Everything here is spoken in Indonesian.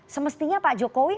semestinya pak jokowi